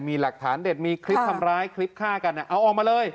มีหลักฐานเด็ดมีคลิปทำร้ายคลิปฆ่ากันเอาออกมาเลย